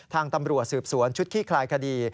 ทางตำรวจสืบสวนชุดขี้คลายคดี